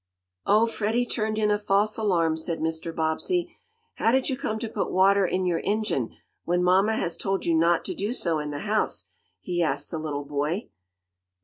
"Oh, Freddie turned in a false alarm," said Mr. Bobbsey. "How did you come to put water in your engine, when mamma has told you not to do so in the house?" he asked the little boy.